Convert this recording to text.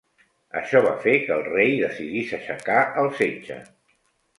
Això va fer que el rei decidís aixecar el setge.